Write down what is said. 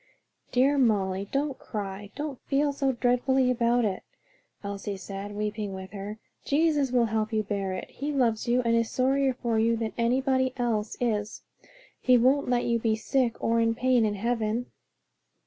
"Dear Molly, don't cry, don't feel so dreadfully about it!" Elsie said, weeping with her. "Jesus will help you to bear it; he loves you, and is sorrier for you than anybody else is; and he won't let you be sick or in pain in heaven."